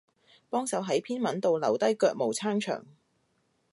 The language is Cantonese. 幫手喺篇文度留低腳毛撐場